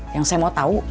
yang saya mau tahu